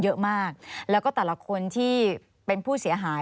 เยอะมากแล้วก็แต่ละคนที่เป็นผู้เสียหาย